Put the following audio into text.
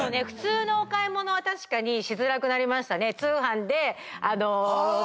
普通のお買い物は確かにしづらくなりましたね。